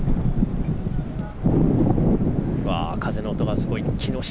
風の音がすごい、木下。